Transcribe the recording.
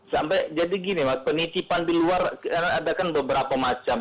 sampai jadi gini mas penitipan di luar ada kan beberapa macam